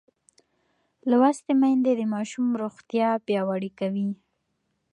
لوستې میندې د ماشوم روغتیا پیاوړې کوي.